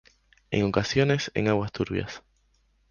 En ocasiones en aguas turbias.